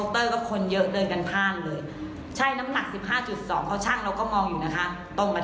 ทั่งน้ำหนัก๑๕๒เขาชั่งก็มองอยู่นะคะ